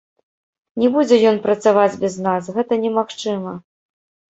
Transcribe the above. Не будзе ён працаваць без нас, гэта немагчыма.